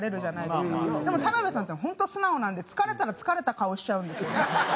でも田辺さんって本当素直なんで疲れたら疲れた顔しちゃうんですよね。